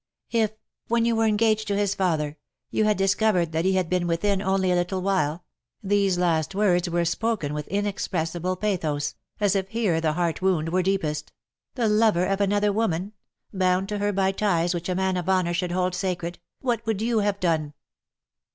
If, when you were engaged to his father, you had dis covered that he had been within only a little while" — these last words were spoken with inexpressible pathos, as if here the heart wound were deepest —" the lover of another woman — bound to her by ties which a man of honour should hold sacred — what would you have done